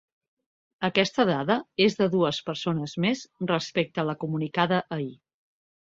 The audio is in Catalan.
Aquesta dada és de dues persones més respecte a la comunicada ahir.